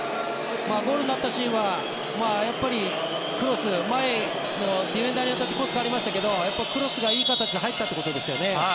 ゴールになったシーンはディフェンダーに当たってコースが変わりましたけどクロスがいい形で入ったということですね。